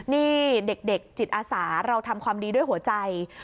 นี่เด็กจิตอาสาเราทำความดีด้วยหัวใจ